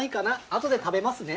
あとで食べますね。